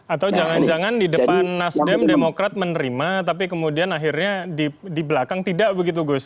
atau jangan jangan di depan nasdem demokrat menerima tapi kemudian akhirnya di belakang tidak begitu gus